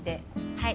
はい。